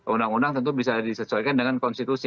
undang undang tentu bisa disesuaikan dengan konstitusi